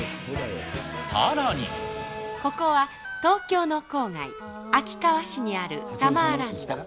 ここは東京の郊外、秋川市にあるサマーランド。